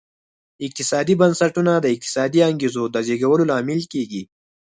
اقتصادي بنسټونه د اقتصادي انګېزو د زېږولو لامل کېږي.